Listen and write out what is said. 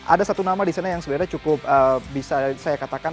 ada satu nama di sana yang sebenarnya cukup bisa saya katakan